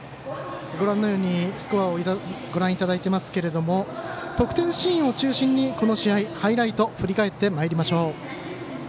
スコアをご覧いただいていますが得点シーンを中心に、この試合ハイライト振り返ってまいりましょう。